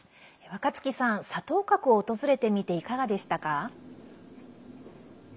若槻さん、沙頭角を訪れてみていかがでしたか？